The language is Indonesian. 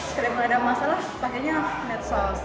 sekalipun ada masalah panggilnya net sos